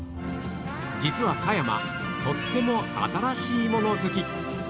実は加山、とっても新しいもの好き。